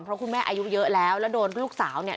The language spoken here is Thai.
เพราะคุณแม่อายุเยอะแล้วแล้วโดนลูกสาวเนี่ย